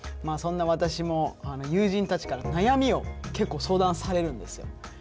そんな私も友人たちから悩みを結構相談されるんですよ。